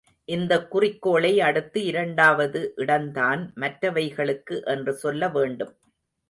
இந்தக் குறிக்கோளை அடுத்து இரண்டாவது இடந்தான் மற்றவைகளுக்கு என்று சொல்ல வேண்டும்.